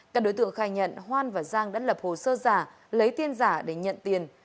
các đối tượng khai nhận hoan và giang đã lập hồ sơ giả lấy tiền giả để nhận tiền